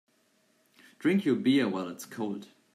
Drink your beer while it's cold.